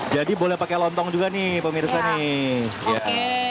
jadi boleh pakai lontong juga nih pemirsa nih